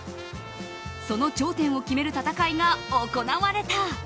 その頂点を決める戦いが行われた。